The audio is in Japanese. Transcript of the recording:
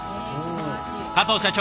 加藤社長